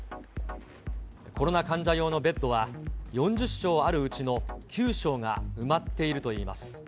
コロナ患者用のベッドは４０床あるうちの９床が埋まっているといいます。